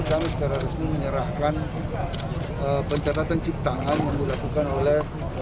ini karena secara resmi menyerahkan pencerdatan ciptaan yang dilakukan oleh